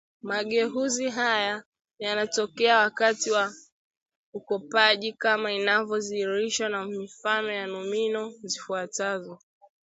Mageuzi haya yanatokea wakati wa ukopaji kama inavyo dhihirishwa na mifano ya nomino zifuatazo